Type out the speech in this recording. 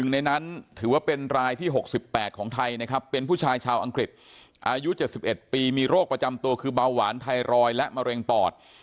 ในนั้นถือว่าเป็นรายที่๖๘ของไทยนะครับเป็นผู้ชายชาวอังกฤษอายุ๗๑ปีมีโรคประจำตัวคือเบาหวานไทรอยด์และมะเร็งปอด